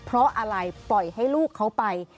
เพราะอะไรปล่อยให้ลูกเขาไป